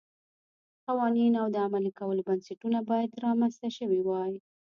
قوانین او د عملي کولو بنسټونه باید رامنځته شوي وای